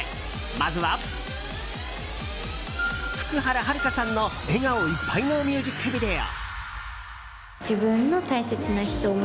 まずは、福原遥さんの笑顔いっぱいのミュージックビデオ。